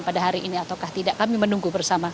pada hari ini ataukah tidak kami menunggu bersama